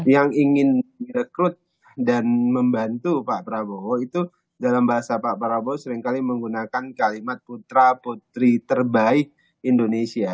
yang ingin merekrut dan membantu pak prabowo itu dalam bahasa pak prabowo seringkali menggunakan kalimat putra putri terbaik indonesia